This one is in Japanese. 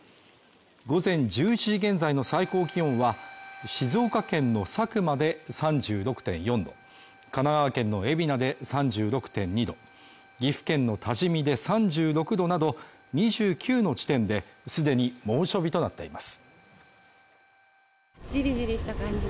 午前１１時現在の最高気温は、静岡県の佐久間で３６．４度神奈川県の海老名で３６．２度岐阜県の多治見で３６度など２９の時点で既に猛暑日となっています。